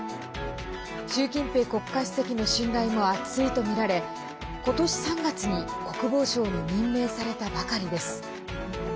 習近平国家主席の信頼も厚いとみられ今年３月に国防相に任命されたばかりです。